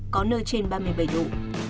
có nơi trên ba mươi bảy độ